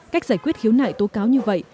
cách giải quyết khiếu nại tố cáo như vậy